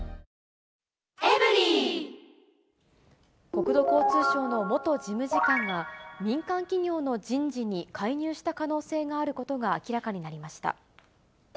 国土交通省の元事務次官が、民間企業の人事に介入した可能性があることが明らかになりました。